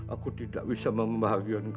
aku tidak bisa membahagia dengan bapak